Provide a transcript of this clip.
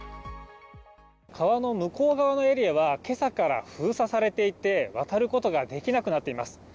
川の向こう側のエリアは今朝から全て封鎖されていて渡ることができなくなっています。